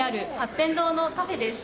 天堂のカフェです。